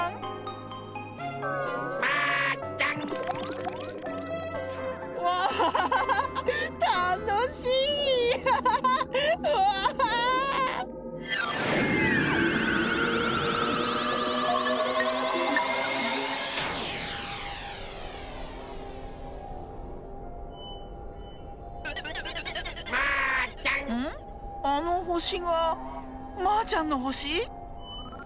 あのほしはマーちゃんのほし？